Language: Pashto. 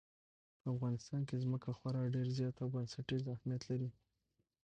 په افغانستان کې ځمکه خورا ډېر زیات او بنسټیز اهمیت لري.